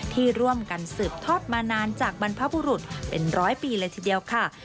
ที่ร่วมกันสืบทอดมานานจากบรรพบุรุษเป็นร้อยปีเลยทีเดียวค่ะ